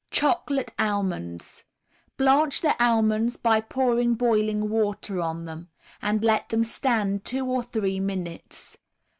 CHOCOLATE ALMONDS Blanch the almonds by pouring boiling water on them, and let them stand two or three minutes.